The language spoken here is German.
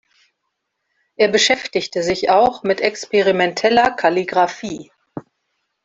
Er beschäftigte sich auch mit experimenteller Kalligraphie.